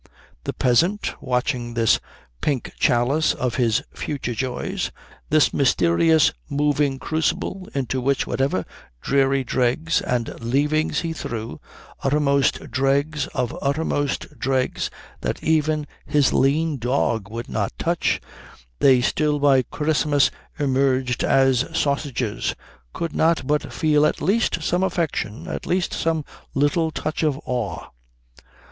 The peasant, watching this pink chalice of his future joys, this mysterious moving crucible into which whatever dreary dregs and leavings he threw, uttermost dregs of uttermost dregs that even his lean dog would not touch, they still by Christmas emerged as sausages, could not but feel at least some affection, at least some little touch of awe.